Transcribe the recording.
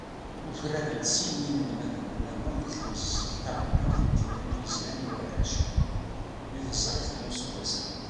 Ufraren-d sin yinelmaden-nniḍen deg temsizzelt taɣelnawt n tira n yiznan i warrac, deg teẓrigt n useggas-a.